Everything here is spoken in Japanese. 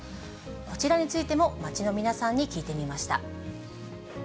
こちらについても街の皆さんに聞いてみました。